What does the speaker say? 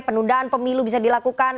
penundaan pemilu bisa dilakukan